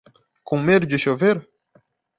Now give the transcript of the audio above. Com medo de chover?